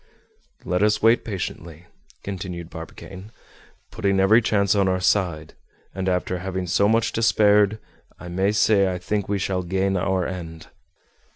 "Let us wait patiently," continued Barbicane. "Putting every chance on our side, and after having so much despaired, I may say I think we shall gain our end."